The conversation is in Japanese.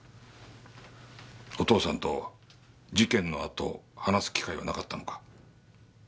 お父さんと事件のあと話す機会はなかったのか？